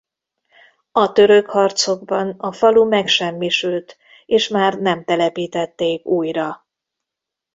A török harcokban a falu megsemmisült és már nem telepítették újra.